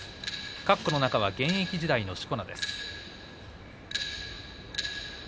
かっこの中は現役時代のしこ名です。